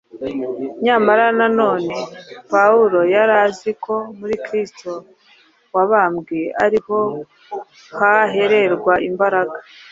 Nyamara nanone Pawulo yari azi ko muri Kristo wabambwe ari ho bahererwa imbaraga